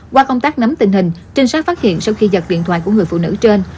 qua công tác nắm tình hình trinh sát phát hiện sau khi giật điện thoại của người phụ nữ trên